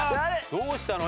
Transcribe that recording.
どうしたの？